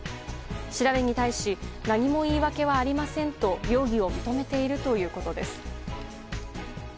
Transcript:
調べに対し何も言い訳はありませんと容疑を認めているということです。